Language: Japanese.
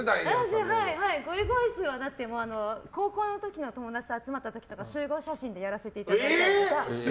私、ゴイゴイスーはだって高校の時の友達と集まった時とか集合写真でやらせていただいたりとか。